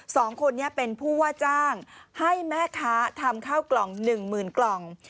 สองคนนี้เป็นผู้ว่าจ้างให้แม่ค้าทำข้าวกล่องหนึ่งหมื่นกล่อง